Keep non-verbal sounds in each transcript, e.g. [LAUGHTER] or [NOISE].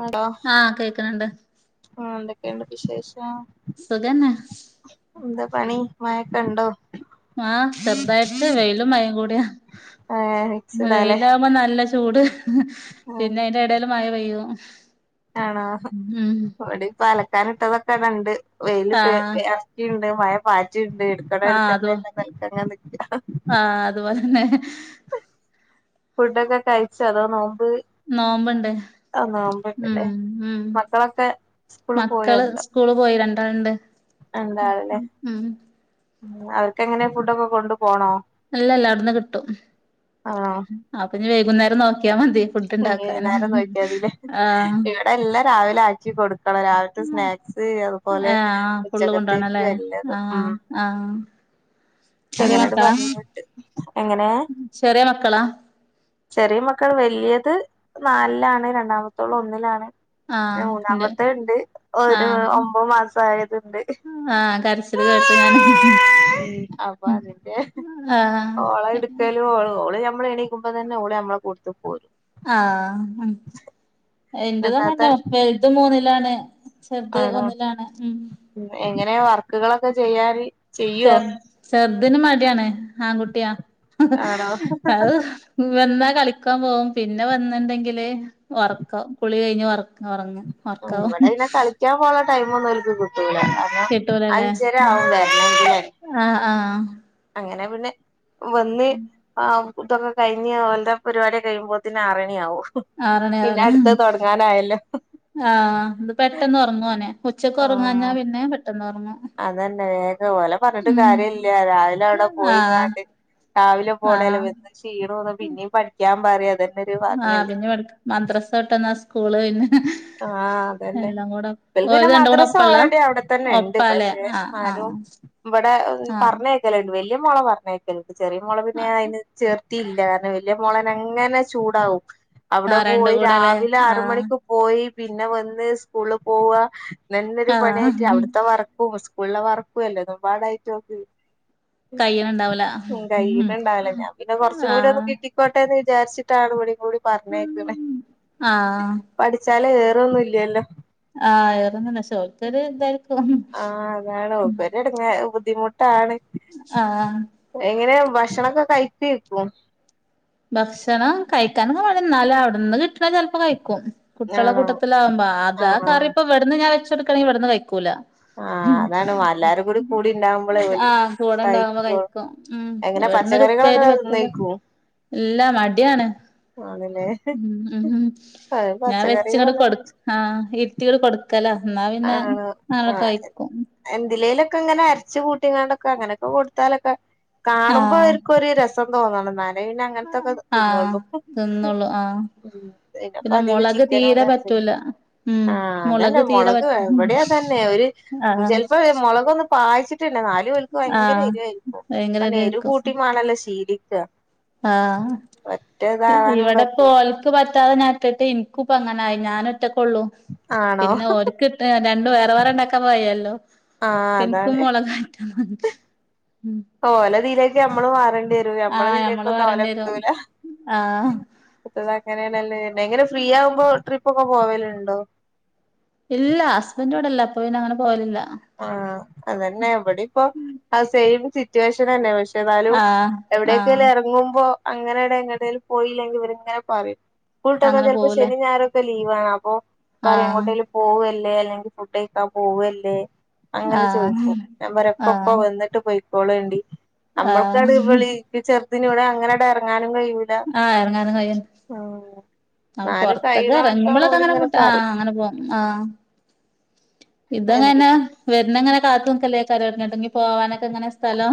ആണൊ ആഹ് കേക്കണണ്ട് ആഹ് എന്തൊക്കെണ്ട് വിശേഷം സുഖന്നെ എന്താ പണി മയൊക്കെണ്ടോ ആഹ് ചെറ്തായിട്ട് വെയിലും മഴിം കൂടിയ ഏഹ് മിക്സിടാല്ലേ വെയിലാ മ്പം നല്ല ചൂട് പിന്നെ അയിൻ്റെ എടേല് മഴ പെയ്യും ആണോ ഉം ഇവടിപ്പൊ അലക്കാനിട്ടതൊക്കെടണ്ട് വെയില് [UNINTELLIGIBLE] ആഹ് ഇജെവ്ടെ മഴ പാറ്റ്ണ്ട് എടുക്കണോ ആഹ് എടുക്കണ്ടെ അതോ [UNINTELLIGIBLE] ങ്ങനെ നിക്ക ആഹ് അതു പോലെന്നെ ഫുഡ്ഡാെക്കെ കയ്ച്ചൊ അതോ നോമ്പ് നോമ്പ്ണ്ട് ആഹ് നോമ്പ്ണ്ട്ലേ ഉം ഉം മക്കളൊക്കെ സ്കൂള് മക്കള് പോയൊണ്ടോ സ്കൂള് പോയി രണ്ടാള്ണ്ട് അതെന്താെവല്ലേ ഉം അവർക്കെങ്ങെനെ ഫുഡ്ഡാെക്കെ കൊണ്ട് പോണോ അല്ലല്ല അവ്ട്ന്ന് കിട്ടും ആണോ അപ്പൊ പിന്നെ വെയ്കുന്നേരം നോക്ക്യാ മതി ഫുഡ്ഡ്ണ്ടാക്കാന് ആഹ് ഇതെല്ലാം രാവിലെ ആച്ചി കൊട് ക്കണം രാവില്ത്തെ സ്നാക്സ് അതുപോലെ ആഹ് ഫുള്ള് ഉച്ചകത്തേയ്ക്ക് കൊണ്ടോണല്ലേ എല്ലതും ഉം ആഹ് ആഹ് ചെറിയ അങ്ങനേണ്ട് പർഞ്ഞ് വ്ട്ട് എങ്ങെനേ ചെറ്യേ മക്കളാ ചെറ്യേ മക്കെള് വല്ല്യെത് നാൽലാണ് രണ്ടാമത്തോള് ഒന്ന്ലാണ് ന്നെ ആഹ് ഇണ്ട് മൂന്നാമത്തെത്ണ്ട് ഒരു ആഹ് ഒമ്പത് മാസായത്ണ്ട് ആഹ് കരച്ചില് കേട്ടു ഞാൻ അപ്പൊ ഉം അതിന്റെ ആഹ് ആഹ് ഓളെ എഹ് എടുക്കലും ഓള് ഞമ്മെളെണീക്കുമ്പ തന്നെ ഓള് ഞമ്മെളെ കൂട്ത്ത് പോരും ആഹ് ഉം ഇന്റെതും താത്ത അങ്ങൻന്നെ വെൽത് മൂന്നിലാണ് ചെർത് ഒന്ന്ലാണ് ഉം കം എങ്ങെനേ വർക്ക്കളൊക്കെ ചെയ്യാന് ചെയ്യോ ചെർ ചെർതിന് മട്യാണ് ആങ്കുട്ട്യാ ആണോ അത് വെന്നാ കളിക്കാം പോകും പിന്നെ വെന്ന്ണ്ടെങ്കില് ഒർക്കം കുളി കഴിഞ്ഞ് ഒർ ഒറങ്ങും ഉം ഒറക്കാവും ഇവടെ പിന്നെ കളിയ്ക്കാം പോവാൻള്ള ടൈമൊന്നും ഓല്ക് കിട്ടൂലാ അ കിട്ടൂലല്ലേ അഞ്ചര ആവും വെര്ണെങ്കില് ആഹ് ആഹ് അങ്ങനെ പിന്നെ വന്ന് ആഹ് ഇതൊക്കെ കഴിഞ്ഞ് അവന്റെ പരിപാടിയൊക്കെ കഴിയുമ്പോതിന് ആറണിയാവും ആറ് പിന്നെ മണിയാവുംല്ലേ അടുത്തഹ് തുടങ്ങാനായല്ലോ ആഹ് അത് പെട്ടെന്ന് ഉറങ്ങു ഓന് ഉച്ചക്ക് ഉറങ്ങാഞ്ഞാ ആഹ് പിന്നെ പെട്ടെന്ന് ഉറങ്ങു അതന്നെ വേഗ ഓല പറഞ്ഞിട്ട് കാര്യല്ല രാവിലെ അടെ ആഹ് പോയിങ്ങാണ്ടി രാവിലെ പോണേലോ ആഹ് വന്ന് ക്ഷീണോന്ന് പിന്നിം പഠിക്കാൻ പറയും അതെ ആഹ് അതുങ്ങൾ മദ്രസ വിട്ടന്ന സ്കൂള് പിന്നെ ആഹ് അതന്നെ എല്ലാം കൂടെ ഇവൽക്ന്നെ ഓല് രണ്ടും കൂടെ മദ്രസ ഒപ്പള്ളാ ഓൾറെഡി അവിടെ തന്നെ ണ്ട് ഒപ്പാല്ലേ പക്ഷെ ആഹ് ന്നാലും ആഹ് ഇവടെ പറഞ്ഞയക്കല വല്യ മോളെ പറഞ്ഞയക്കൽണ്ട് ചെറിയ മോളെ പിന്നെ ആഹ് അയിന് ചേർ ത്തില്ലർഞ് വല്യ മോളനെങ്ങനെ ചൂടാവും അവിടെ ആഹ് രണ്ടും പോയി കൂടെല്ലേ രാവിലെ ആഹ് ആറുമണിക്ക് പോയി പിന്നെ വന്ന് സ്കൂള് പോവ ഇതെന്നൊരു പണിയായിട്ട് ആഹ് അവിടുത്തെ വർ ക്കു സ്കൂളിലെ വർക്കും അല്ലേതും പാടായിട്ട് ഓന്ക്ക് കയ്യ്ണ് ണ്ടാവൂല ഉം ആഹ് കയ്യുന്നുണ്ടാവില്ല ഞാൻ പിന്നെ കൊറച്ചും കൂടി ഒന്ന് കിട്ടി ക്കോട്ടേന്ന് വിചാരിച്ചിട്ടാണ് ഇവളെയും കൂടി പറഞ്ഞേക്ന്നെ ആഹ് പഠിച്ചാല് ഏറോന്നുംല്ലല്ലോ ആഹ് ഏറൊന്നുല്ല പക്ഷെ ഓൽക്കൊരുതാ ആഹ് അതാണ് ഇവര് എടുങ്ങ ബുദ്ധിമുട്ടാണ് ആഹ് എങ്ങനെ ഭക്ഷണൊക്കെ കഴിക്കോപ്പം ഭക്ഷണം കഴിക്കാനൊക്കെ മടിയ എന്നാലും അവിടുന്ന് കിട്ടും ചാല് ചെൽപ്പോ കഴിക്കും കുട്ട്യാളെ ആണോ കൂട്ടത്തിലകുമ്പോ അതാ ആണോ കറിപ്പോ ഇവിടുന്ന് ഞാൻ വെച്ചു കൊടുക്കണെ ഇവിടുന്ന് കയ്ക്കൂല ആഹ് അതാണ് എല്ലാരും കൂടി കൂടി ഉണ്ടാവുമ്പോളേ ഓല് ആഹ് ഇവിടെണ്ടാവുമ്പോ കഴിക്കോ കഴിക്കും ഉം എങ്ങനെ ഇവ്ട്ന്നൊരു പച്ചക്കറികളൊക്കെ ഉപ്പേരി പറ്റില്ല തിന്നേക്കും ഇല്ല മടിയാണ് ആണല്ലേ ഉം ഉം ഞാൻ വെച്ങ്ങട്ട് പച്ചക്കറികളൊക്കെ കൊടുക്കല കഴിച്ച് ആഹ് ഇരുത്തിയങ്ട്ട് കൊടുക്കല ന്നാ പിന്നെ ആണോ അങ്ങനെ ആഹ് കഴിക്കും എന്തിലേലൊക്കെ ഇങ്ങനെ അരച്ചു കൂട്ടിങ്ങണ്ടൊക്കെ അങ്ങനെക്കെ കൊടുത്താലൊക്കെ കാണുമ്പോ ആഹ് അവർക്കൊരു രസം തോന്നണം നാ ലേ ന്നെ അങ്ങൻത്തൊക്കെ ആഹ് തിന്നോള്ളു ഉം തിന്നോളും ആഹ് പിന്നപ്പ പിന്നെ അധികം മുളക് ചിക്കനും തീരെ [UNINTELLIGIBLE] പറ്റൂല ഉം ആ അതന്നെ തീരെ മുളക് പറ്റ ഇവിടെയാ തന്നെ ഒര് ആഹ് ചെൽപ മൊളകൊന്ന് പായിചിട്ടില്ല ന്നാ ര് ഓൽക് ഭയങ്കര ആഹ് എരിവായിരിക്കും ഭയങ്കര പർഞ എരു ഇതായിരിക്കും കൂട്ടിമാണല്ലോ ശീലിക്ക ആഹ് ഒറ്റ ഇതാവാനും പറ്റൂ ഇവിടപ്പോ ഓല്ക് ത് പറ്റാതെ ഞാനിട്ടിട്ട് ഇന്ക്കും ഇപ്പ അങ്ങനായി ഞാനൊറ്റക്കോള്ളു ആണോ പിന്നെ ഓൽക് ട്ടെ രണ്ടു വേറെ വേറെ ണ്ടാക്കാൻ വയ്യല്ലോ ആഹ് അപ്പൊ ഇന്ക്കും അതാണ് മുളക് ഉം ഓലെ ഇതിലേക്ക് ഞമ്മള് മാറേണ്ടി വരും ഞമ്മളെ ആഹ് ഇതിലേക്ക് ഞമ്മള് ഒന്നും ഓലെ പറയേണ്ടി വരും കിട്ടൂല ആഹ് [UNINTELLIGIBLE] അങ്ങനെണല്ലെ എങ്ങനെ ഫ്രീ ആകുമ്പോ ട്രിപ്പൊക്കെ പോവലുണ്ടോ ഇല്ല ഹസ്ബന്റ് ഇവിട ഇല്ല അപ്പോ പിന്നെ അങ്ങനെ പോവലില്ല ആഹ് അതന്നെ ഇവിടീം ഇപ്പോ ആഹ് സെയിം സിറ്റുവേഷൻ തന്നെ പക്ഷെ ഏതായാലും ആഹ് ആഹ് എവിടെയെക്കെലും ഇറങ്ങുമ്പോ അങ്ങനെ ഇട എങ്ങെട്ടെലും പോയില്ലെങ്കി ഇവരിങ്ങനെ പറയും സ്കൂള്ട്ട്ന്ന അങ്ങനെ ചെലപ്പോ പോവൂലേ ശനി ഞായറൊക്കെ ലീവാണ് അപ്പോ പറയും ആഹ് എങ്ങോട്ടെലും പോവല്ലെ അല്ലെങ്കി ഫുഡ് കഴിക്കാൻ പോവല്ലെ അങ്ങനെ ആഹ് ചോയ്ക്കും ഞാൻ പറയും ഇപ്പ ഇപ്പോ ആഹ് വന്നിട്ട് ട്ട് പോയിക്കോളണ്ടി ആഹ് നമ്മൾക്കണ്ട് ഇവളീ ഈ ചെറുതിനങ്ങനെണ്ട് ഇറങ്ങാനും കൈയി ആഹ് എറങ്ങാനും [UNINTELLIGIBLE] ഉം അപ്പോ ന്നാലും പുൊറത്തൊക്കെ കഴിയണോടത്തോളം ഇറങ്ങുമ്പോളൊക്കെ അങ്ങനെ ഓലിങ്ങനെ കൂട്ട ആ പറയും അങ്ങനെ പോകും ആഹ് എന്തി ഇതങ്ങനെ വരുന്നങ്ങനെ കാത്ത് നിക്കല്ലായിരിക്കും എങ്ങോട്ടെങ്കിൽ പോവാനൊക്കെ ഇനി സ്ഥലം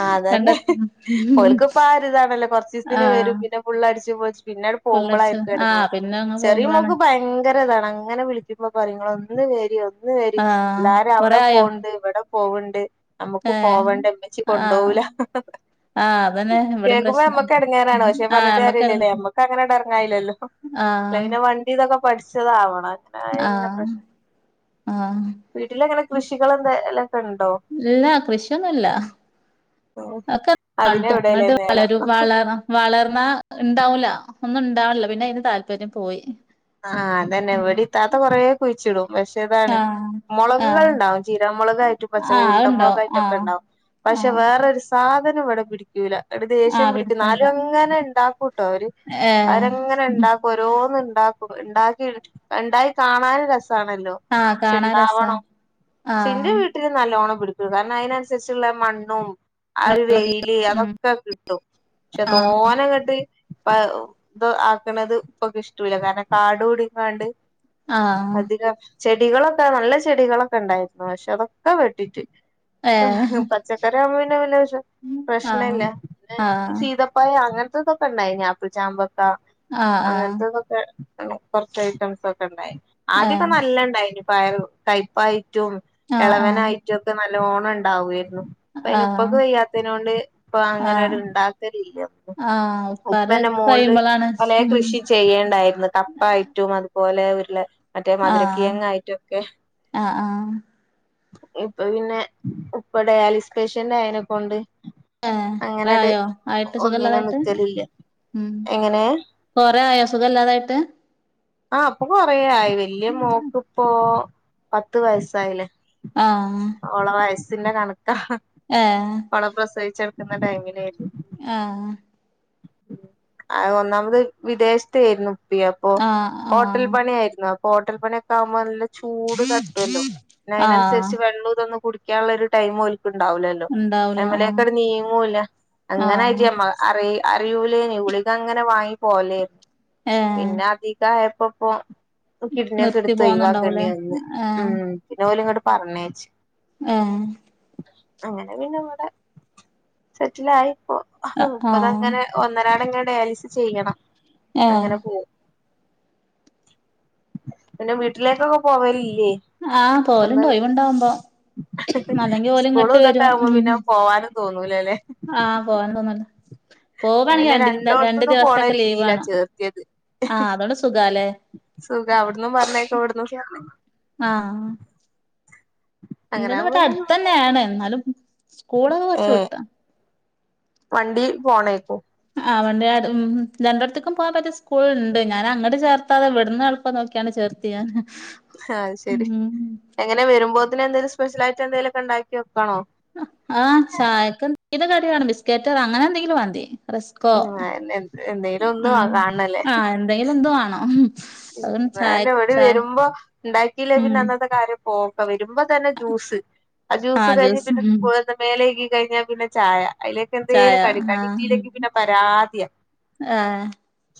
ആ അതന്നെ കണ്ടെത്തി ഓൽക്ക് ഇപ്പ ആ ഒരു ഇതാണല്ലോ കൊറച്ചീസത്തിന് ആഹ് വരും പിന്നെ ഫുള്ളടിച്ച് പൊളിച്ച പിന്നെ അങ്ങ്ട്ട് ഫുള്ളടിച്ച് പോകുമ്പോളായിരിക്കും ആഹ് എടങ്ങെറ് പിന്നെ അങ്ങ് ചെറിയ പോകുമ്പളാണ് മോക്ക് ഭയങ്കര ഇതാണ് അങ്ങനെ വിളിക്കുമ്പോ പറയും ഇങ്ങള് ഒന്ന് വേരി ഒന്ന് വേരി ആഹ് എല്ലാരും കൊറേ അവിടെ ആയോ പോണ്ട് ഇവിടെ പോവണ്ട് നമ്മുക്ക് ഏഹ് പോവണ്ടെ ഉമ്മച്ചി ആഹ് കൊണ്ടോവൂല ആഹ് അതന്നെ ഇവിടേം കേൾക്കുമ്പോ പ്രശ്നം നമ്മക്ക് ഇടങ്ങാറാണ് പക്ഷെ ആഹ് പറഞ്ഞിട്ട് നമ്മക്കെറങ്ങാ കാര്യല്ലല്ലോ നമ്മക്ക് അങ്ങനെ അങ്ങ്ട്ട് അറങ്ങാൻ കഴിയില്ലല്ലോ ആഹ് വണ്ടിതൊക്കെ പഠിച്ചതാവണം അങ്ങനെ ആയ പിന്നെ ആഹ് പ്രശ്നം ആഹ് വീട്ടിലെങ്ങനെ കൃഷികൾ എന്തെലൊക്കെ ഉണ്ടോ ഇല്ല കൃഷിയൊന്നുംല്ല ഒക്കെ അതിനെവിടെയല്ലേ [UNINTELLIGIBLE] നേരം വളരും വളണം വളർന്ന ഉണ്ടാവൂല്ല ഒന്നും ഉണ്ടാവ്ണില്ല പിന്നെ അയിന് താല്പര്യം പോയി ആഹ് അതന്നെ ഉം എവിടെ ഇത്താത്ത കുറേ കുഴിച്ചിടും പക്ഷെ ഇതാണ് ആഹ് ആഹ് മുളകൾണ്ടാവും ചീരമുളകായിട്ടും പച്ചമുള ആഹ് ഉണ്ട അത്ണ്ടാവും മുളകായിട്ടും ഒക്കെ ആഹ് ഉണ്ടാവും പക്ഷെ ആഹ് വേറൊരു സ് സാധനം ഇവിടെ പിടിക്കൂല ഒരു ദേഷ്യം ആഹ് പിടിക്കും പിടിക്കണില്ല എന്നാലും അങ്ങനെ ഉണ്ടാക്കും ട്ടോ അവര് ഏഹ് അവരങ്ങനെ ഉണ്ടാ ഓരോന്ന് ഉണ്ടാക്കും ഉണ്ടാക്കി ഉണ്ടായി കാണാൻ രസാണല്ലോ ആഹ് ക്ഷെ കാണാൻ രസാ ഉണ്ടാവണം. പക്ഷെ എന്റെ ആഹ് വീട്ടില് [UNINTELLIGIBLE] പിടിക്കും കാരണം അയിനനുസരിച്ചുള്ള മണ്ണും ആ ഒരു വെയില് ഉം അതൊക്കെ കിട്ടും പക്ഷെ ആഹ് തോനങ്ങ്ട്ട് ഇപ്പ ഇത് ആക്ക്ണത് ഇപ്പ കിഷ്ട്ടൂല കാരണം കാട് കൂടിക്കാണ്ട് ആഹ് അധികം ചെടികളൊക്കെ നല്ല ചെടികളൊക്കെ ഉണ്ടായിരുന്നു പക്ഷെ അതൊക്കെ വെട്ടിട്ട് ഏഹ് പച്ചക്കറി ആവുമ്പോ പിന്നെ [UNINTELLIGIBLE] ആഹ് പ്രശ്നംല്ല ആഹ് പ്പയ അങ്ങനത്തതൊക്കെ ഉണ്ടായിനി ആപ്പിൾ ചാമ്പക്ക ആഹ് ആഹ് അങ്ങനത്തതൊക്കെ കൊറച്ച് ഐറ്റംസ് ഒക്കെ ഉണ്ടായിരുന്നു ആദ്യൊക്കെ ഏഹ് നല്ല ഇണ്ടായിനി പയർ കയപ്പായിട്ടും ആഹ് ആഹ് എളവനായിട്ടൊക്കെ നല്ലോണം ഉണ്ടാവായിരുന്നു ഇപ്പ അയിന് ആഹ് ഉപ്പാക്ക് വയ്യാത്തിനോ ണ്ട് ഇപ്പ അങ്ങനെ ഒരു ആഹ് ഇണ്ടാക്കലില്ലപ്പോ ആഹ് ഉപ്പാര് ഉപ്പന്നെ മോളില്‌ കഴിയുമ്പളാണ് പലെ ഉം കൃഷി ചെയ്യേണ്ടായിരുന്നു കപ്പായിറ്റും അതുപോലെ ഉരുള് മറ്റെ ആഹ് മധുരകിയങ്ങായിട്ടൊക്കെ ആഹ് ആഹ് ഇപ്പ പിന്നെ ഉപ്പ ഡയാലിസ് പേഷ്യന്റ് ആയതിനെക്കൊണ്ട് ഏഹ് എത്ര അങ്ങനെട്ട് ആയോ ആയിട്ട് ഒന്നിനും സുഖല്ലാതായിട്ട് നിക്കലില്ല എങ്ങനെ കൊറെേ ആയോ സുഖം ഇല്ലാതായിട്ട് ആഹ് ഇപ്പോ കൊറെയായി വല്യ മോക്ക് ഇപ്പോ പത്ത് വയസായിലെ ആഹ് ഓളെ വയസ്സിന്റെ കണക്ക ഏഹ് ഓളെ പ്രസവിച്ചടുക്കുന്ന ടൈമിലെയ്ര്ന്നു ആഹ് ആഹ് ഒന്നാമത് വിദേശത്തെരുന്നു അപ്പൊ ആഹ് ഹോട്ടൽ ആഹ് പണി ആയിരുന്നു അപ്പൊ ഹോട്ടൽ പണിയൊക്കെ ആവുമ്പോ നല്ല ചൂട് തട്ടുവല്ലോ, പിന്നെ ആഹ് അതിനനുസരിച്ച് വെള്ള ഇതൊന്നും കുടിക്കാനുള്ള ഒരു ടൈം ഒ ാൽക്കു ഉണ്ടാവില്ലല്ലോ ഉണ്ടാവൂല ആഹ് ഐമലേക്ക് ട് നീങ്ങൂല്ല അങ്ങനൊയിച്ച ആഹ് അമ്മ അറി അറിയൂലേനി ഗുളിക അങ്ങനെ വാങ്ങി പോലേരുന്നു ഏഹ് പിന്നെ അധികായപ്പൊ പോ കിഡ്നിയൊക്കെ നിർത്തി എടുത്ത് ഒ യിവാക്കണ്ടി പോന്നുണ്ടാവൂലേ വന്ന് ഏഹ് ഉം പിന്നെ ഓലു ഇങ്ങോട്ട് പറഞ്ഞേച്ചു. ആഹ അങ്ങനെ പിന്നെ അവിടെ സെറ്റില ആയിപ്പോ ആഹ് ഇപ്പതങ്ങനെ ഒന്നരാട്ങ്ങനെ ഡയാലിസിസ് ചെയ്യണം ഏഹ് അങ്ങനെ പോവും. പിന്നെ വീട്ടിലേക്കൊന്നും പോവലില്ലേ ആഹ്, പോവലു ഉണ്ട് ഒഴിവുണ്ടാവുമ്പോ. അല്ലെങ്കി ഓല് സ്കൂള് ഇങ്ങട്ട് ഇതൊക്കെ വരും ആകുമ്പോ ഉം പിന്നെ പോവാനും തോന്നൂലല്ലേ ആഹ് പോവാൻ തോന്നില്ല പിന്നെ പോവാവാണെങ്കിൽ രണ്ട് രണ്ടു രണ്ടോടത്തുന്നും പോണ ദിവസൊക്കെ ലീവ് രീതിയിലാ വേണം, ചേർത്തിയത് ആഹ അതുകൊണ്ട് സുഖല്ലേ സുഖ അവിടുന്നും പറഞ്ഞേയക്കാ ഇവിട്ന്നു പറ ആഹ അങ്ങനെ ഇൻ്റേത് ഇവിടെ ആകുമ്പോ അടുത്ത പിന്നെ തന്നെയാണ് എന്നാലും സ്കൂളൊക്കെ ഏ കുറച്ച് വിട്ടാ വണ്ടി പോണേക്കും ആ വണ്ടി ഉം രണ്ട് ഓടത്ത് ക്കും പോവാൻ പറ്റിയ സ്കൂൾ ഉണ്ട് ഞാൻ അങ്ങട്ട് ചേർത്താതെ ഉവിടുന്ന് എളുപ്പം നോക്കിയാണ്ട് ചേർത് [UNINTELLIGIBLE] ആഹ് ശെരി എങ്ങനെ വരുമ്പോത്തിന് എന്തേലും സ്പെഷ്യൽ ആയിട്ട് എന്തേങ്കലുമൊക്കെ ഉണ്ടാക്കി വെക്കാണോ ആഹ് ചായക്ക് എന്തേലും കടി വേണ ബിസ്ക്കറ്റ് അങ്ങനെ എന്തെങ്കിലും മതി റസ്കോ ഉം എന്തേലും ഒന്ന് ഉം, കാണണല്ലേ ആഹ എന്തെങ്കിലും എന്തു വേണം അതുകൊണ്ട് ചായ [UNINTELLIGIBLE] ഇവിടെ ചായ വരുമ്പോ ഉണ്ടാക്കിയില്ലേ പിന്നെ ഉം അന്നത്തെ കാര്യം പോക്ക, വരുമ്പോ തന്നെ ജ്യൂസ് ആ ജ്യൂസ് ആഹ് കഴിഞ്ഞ് ഉം പിന്നെ മേല് കഴിക്കി കഴിഞ്ഞാൽ പിന്നെ ചായ, അതിലേക്ക് ചായ എന്തേങ്കിലും കടി, കടി ആഹ് കിട്ടിയില്ലെങ്കി പിന്നെ പരാതി പരാതിയ. ആഹ്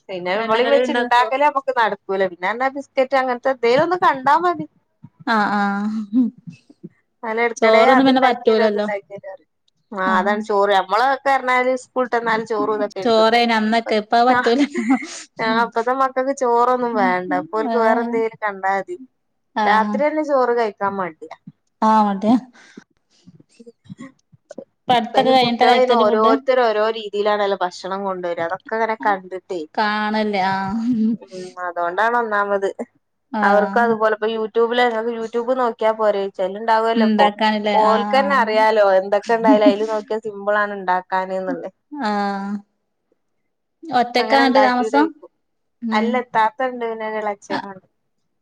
പിന്നെ ഇവളി എണ്ണക്കടി വെച്ച് ഉണ്ടാക്കോ ഉണ്ടാക്കലേ നമുക്ക് നട പേലെ പിന്നാർഞ്ഞ ബിസ്ക്കറ്റ് അങ്ങന് തെ എന്തെലൊന്ന് കണ്ടാൽ മതി ആഹ ആഹ അല്ല എടുക്കിടെ, അത്ണ്ടാക്കിയ രോ ഇത്ണ്ടാക്കിയരോ പറി ആഹ ആഹ് അതാണ് ചോറ് നമ്മളൊക്കെ പറഞ്ഞാല് കൂട്ടന്നാല് ചോറും ഇതൊക്കെ തിന്നൽ ചോറേന് അന്നൊക്കെ ഇപ്പ അത് പറ്റൂലല്ലോ ഇപ്പത്തെ മക്കൾ ചോറൊന്നും വേണ്ട ഇപ്പോൽക്ക് വേറെ ഏഹ് എന്തെുലും കണ്ടാൽ മതി രാത്രി തന്നെ ചോറ് കഴിക്കാൻ മടിയാ ആ മടിയാ [INAUDIBLE] ഇപ്പ പഠിത്തൊക്കെ ആയിന് കഴിഞ്ഞിട്ടാ കുട്ടികളെ അയിന് കഴിക്കല് ഫുഡ് ഓരോരുത്തർ ഓരോ രീതിയിലാണല്ലോ ഭക്ഷണം കൊണ്ട് വരുക, അതൊക്കെ ഇങ്ങനെ കണ്ടിട്ടേ കാണല്ലേ ആ ഉം അതുകൊണ്ടാണ് ഒന്നാമത്, അവർക്ക് അതുപോലെപ്പോ യൂട്യൂബില് [UNINTELLIGIBLE] യൂട്യൂബ് നോക്കിയാ പോര യിച്ചാല് ഉണ്ടാവല്ലൊ അപ്പോ ഇണ്ടാക്കാനല്ലേ ആഹ് ഓൽക്കന്നെ ആഹ് അറിയാലോ എന്തൊക്കെ ഉണ്ടായാല അയില് നോക്കിയാ സിമ്പിൾ ആണ് ഉണ്ടാക്ക ണ്ടാക്കാന്ള്ള ആഹ് ഒറ്റക്കാ അങ്ങനെ ഇങ്ങട്ട് ഉണ്ടാക്കിടെ താമസം ഉം അല്ല ഇത്താത്ത ഉണ്ട്, പിന്നെ ആഹ് എളച്ചിനണ്ട്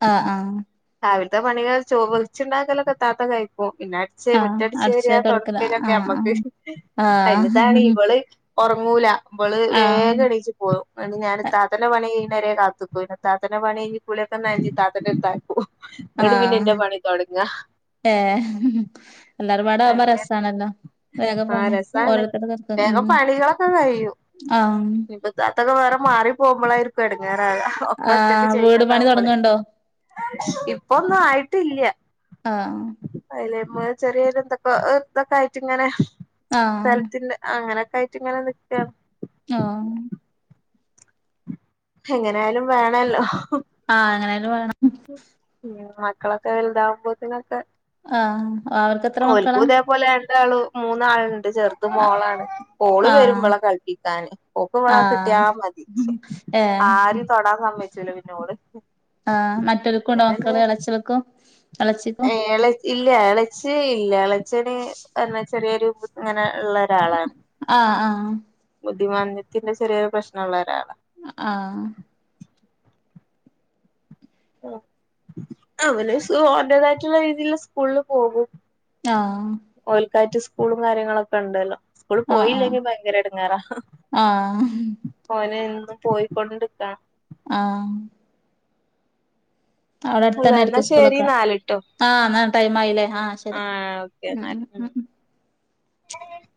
ആഹ് ആഹ് രവിലത്തെ പണികൾ ചോറ് വെച്ചുണ്ടാക്കലൊക്കെ ഇത്താത്ത കഴിക്കും പിന്നെ [UNINTELLIGIBLE] ആഹ് മുറ്റടിച്ചാര അടിച്ചല് തൊടക്കല് ആഹ് തുടക്കലൊക്കെ അമ്മക്ക്, ആഹ് അയിന് താണ് ആഹ് ഇവള് ഒറങ്ങൂല നമ്മള് ആഹ് വേഗം എണീച്ച് പോകും ഞാന് ഇത്താത്തൻ്റെ പണി കഴിണവരെ കാത്ത്ക്കും. പിന്നെ ഇത്താത്തൻ്റെ പണി കഴിഞ്ഞ് കുളി [UNINTELLIGIBLE] താത്തക്ക് [UNINTELLIGIBLE] എന്നിട്ട് പിന്നെ എന്റെ പണി തുടങ്ങ ഏ എല്ലാരും പാട ആകുമ്പോ അങ്ങനെ രസമാണല്ലോ ആ വേഗപ്പാനെ രസാണ് ഓരോരുത്തരുടെ പേർക്ക് വേഗം ഉം ആഹ് താത്തൊക്കെ വേറെ മാറി പോകുമ്പോളായിരിക്കും എടങ്ങേറാവാ ഒക്ക ഒറ്റക്കെ ആഹ് വീട് പണി ചെയ്യുന്നതാകുമ്പോള തൊടങ്ങ്ണ്ടോ ഇപ്പൊന്നും ആയിട്ടില്ല ആഹ് അയ്‌ലെമ്മ ചെറിയൊരു തൊക്കെ ഇതൊക്കെ ആയിട്ട് ങ്ങനെ ആഹ് സ്ഥലത്തിന്റെ അങ്ങനൊക്ക ആയിട്ട് ഇങ്ങനെ നിക്കാണ് ആഹ് എങ്ങനൊയാലും വേണല്ലോ ആഹ് ങ്ങനായാലും വേണം ഹ് മക്കളൊക്കെ വലുതാവുമ്പോത്തനൊക്കെ ആഹ് അവർക്ക ഓൽക്കു തേപോലെ രണ്ടാളു മൂന്നാൾണ്ട് ചേർത് മോളാണ് ഓള് വരും ആഹ് വളെ കളിപ്പിക്കാന് ഓക്ക് വളെ കിട്ടിയാ മതി ഉം ഏ ആരിം തൊടാൻ സമ്മയ്ച്ചില പിന്നോൾ ആഹ് മറ്റൊൽക്കും ണ്ടോ മക്കൾ എളച്ച്യൾക്കും ഏ ഇല്ല ഏളച്ചി ഇല്ല എളച്ചന് എന്നാ ചെറിയൊരു ഇങ്ങനെ ള്ള ഒരാളാണ് ആഹ് ആഹ് ബുദ്ധിമാന്ദ്യതിന്റെ ചെറിയൊരു പ്രശ്ന ള്ള ഒരാളാണ് ഹ ആഹ് ആഹ് അവന് സു ഓൻ്റെതായിട്ടുള്ള രീതിയിലുള്ള സ്കൂള് പോകും ആഹ് ഓൽക്കായിറ്റ് സ്കൂളും കാര്യങ്ങളൊക്കെ ണ്ടല്ലോ സ്കൂൾ ആഹ് പോയില്ലെങ്കി ഭയങ്കര എടങ്ങേറാ ആഹ് ആഹ് ഓനെ എ ന്നും പോയിക്കൊണ്ടിക്കണം ആഹ് അവിടെ അല്ല അട്ത്തെന്നെ എന്നാ അയിരിക്കും ശരി സ്കൂളൊക്കെ ന്നാല്ട്ടോ ആഹ് എന്നാ ടൈം ആയില്ലേ ആഹ് ശരി ഓക്കെ ന്നാല് ഉ ഉ ഉം